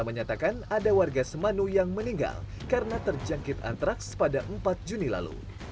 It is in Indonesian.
menyatakan ada warga semanu yang meninggal karena terjangkit antraks pada empat juni lalu